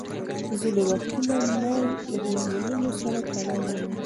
ځینې وختونه میل د هورمونونو سره تړاو نلري.